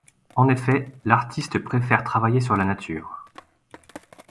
En effet, l'artiste préfère travailler sur la nature.